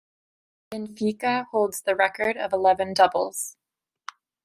Benfica holds the record of eleven Doubles.